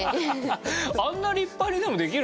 あんな立派にでもできるんですね。